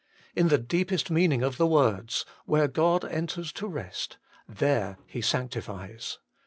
In the deepest meaning of the words : where God enters to rest, there He sanctifies.